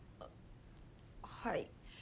はい。